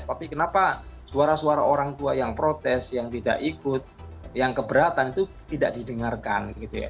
tapi kenapa suara suara orang tua yang protes yang tidak ikut yang keberatan itu tidak didengarkan